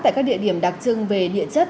tại các địa điểm đặc trưng về địa chất